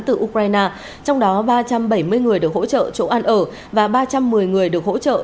từ ukraine trong đó ba trăm bảy mươi người được hỗ trợ chỗ ăn ở và ba trăm một mươi người được hỗ trợ đồ ăn bán